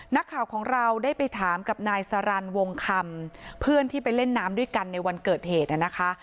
นักข่าวของเราได้ไปถามกับนายสรรวงคำเพื่อนที่ไปเล่นน้ำด้วยกันในวันเกิดเหตุนะคะ